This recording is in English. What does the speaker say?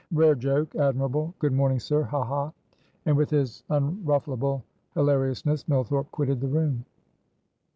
"Rare joke! admirable! Good morning, sir. Ha, ha!" And with his unruffleable hilariousness, Millthorpe quitted the room.